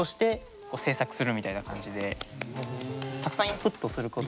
たくさんインプットすることで。